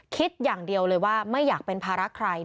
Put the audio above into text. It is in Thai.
คิดอย่างเดียวเลยว่าไม่อยากเป็นภาระใคร